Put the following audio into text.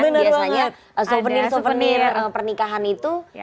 biasanya souvenir souvenir pernikahan itu